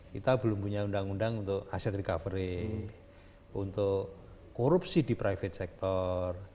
kita belum punya undang undang untuk aset recovery untuk korupsi di private sector